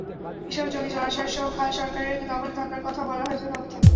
এসব জমি, জলাশয়সহ খাল সরকারের দখলে থাকার কথাও বলা হয়েছে তথ্যে।